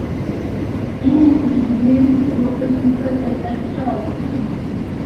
He used many local people as extras.